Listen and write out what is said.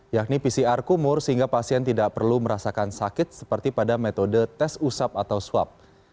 yakni pcr kumur sehingga pasien tidak perlu merasakan sakit seperti pada metode tes usap atau swab